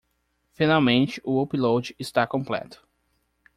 Finalmente o upload está completo